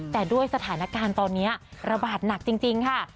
แต่ด้วยสถานการณ์ตอนนี้ระบาดหนักจริงค่ะ